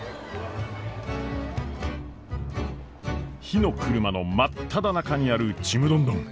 火の車の真っただ中にあるちむどんどん。